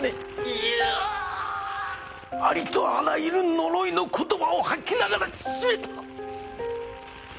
ありとあらゆる呪いの言葉を吐きながら絞めた。